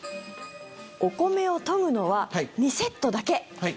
お米を研ぐのは２セットだけ。